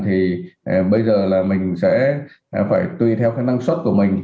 thì bây giờ là mình sẽ phải tùy theo cái năng suất của mình